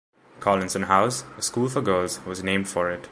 Collinson House, a school for girls, was named for it.